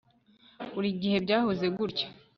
Buri gihe byahoze gutya